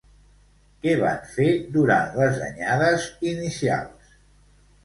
Què van fer durant les anyades inicials?